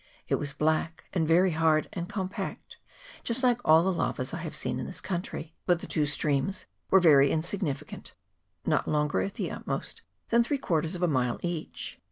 It was black, and very hard and com pact, just like all the lava I have seen in this coun try; but the two streams were very insignificant, not longer at the utmost than three quarters of a mile each.